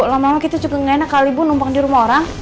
lama lama kita juga gak enak kali bu numpang di rumah orang